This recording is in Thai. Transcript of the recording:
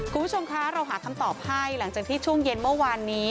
คุณผู้ชมคะเราหาคำตอบให้หลังจากที่ช่วงเย็นเมื่อวานนี้